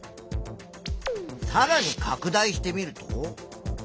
さらにかく大してみると。